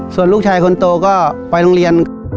ส่วนลูกชายคนโตก็ไปโรงเรียน